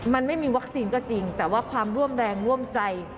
มันไม่มีวัคซีนก็จริงแต่ว่าความร่วมแรงร่วมใจ